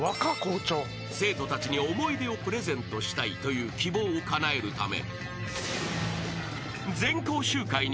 ［生徒たちに思い出をプレゼントしたいという希望をかなえるため］